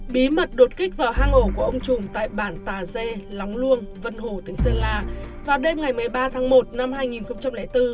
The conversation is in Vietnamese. bí mật đột kích vào hang ổ của ông trùng tại bản tà dê lóng luông vân hồ tỉnh sơn la vào đêm ngày một mươi ba tháng một năm hai nghìn bốn